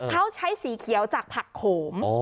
เขาใช้สีเขียวจากผักโขม